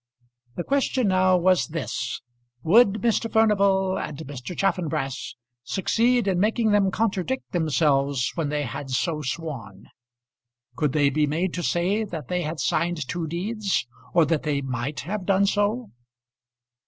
The question now was this, would Mr. Furnival and Mr. Chaffanbrass succeed in making them contradict themselves when they had so sworn? Could they be made to say that they had signed two deeds, or that they might have done so?